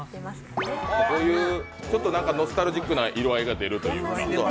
ちょっとノスタルジックな色合いが出るというか。